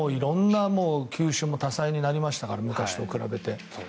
球種も多彩になりましたから昔に比べて。